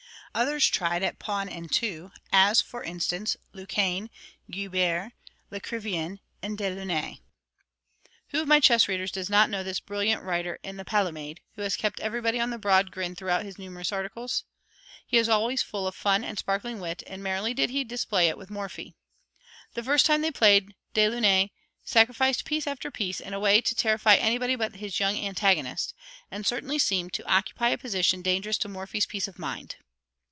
Others tried at pawn and two, as, for instance, Lequesne, Guibert, Lecrivain, and Delaunay. Who of my chess readers does not know this brilliant writer in the Palamède, who has kept everybody on the broad grin throughout his numerous articles? He is always full of fun and sparkling wit, and merrily did he display it with Morphy. The first time they played, Delaunay sacrificed piece after piece, in a way to terrify anybody but his young antagonist, and certainly seemed to occupy a position dangerous to Morphy's peace of mind.